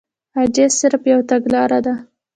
عاجزي صرف يوه تګلاره ده.